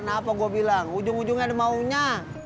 kenapa gue bilang ujung ujungnya ada maunya